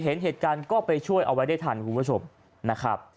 เห็นเหตุการณ์ก็ไปช่วยเอาไว้ได้ทันคุณผู้ชมนะครับ